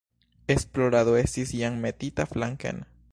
Esplorado estis jam metita flanken.